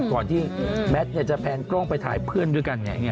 ก่อนที่แมทจะแพนกล้องไปถ่ายเพื่อนด้วยกัน